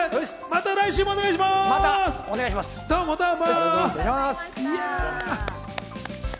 また来週もよろしくお願いします。